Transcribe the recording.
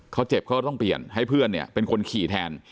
เขาเจ็บเขาก็ต้องเปลี่ยนให้เพื่อนเนี่ยเป็นคนขี่แทน